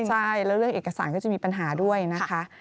ใช่แล้วเรื่องเอกสารก็จะมีปัญหาด้วยนะคะ